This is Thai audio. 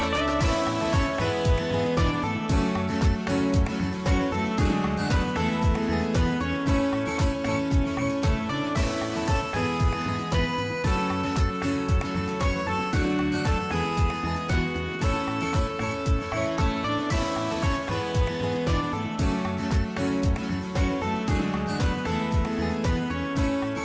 สวัสดีครับสวัสดีครับสวัสดีครับ